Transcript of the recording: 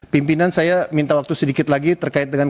pimpinan saya minta waktu sedikit lagi terkait dengan